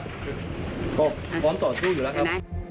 ก็พร้อมต่อสู้อยู่แล้วครับ